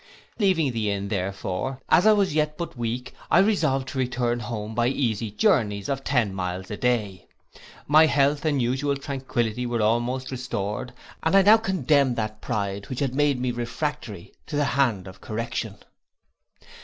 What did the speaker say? Leaving the inn, therefore, as I was yet but weak, I resolved to return home by easy journies of ten miles a day. My health and usual tranquillity were almost restored, and I now condemned that pride which had made me refractory to the hand of correction.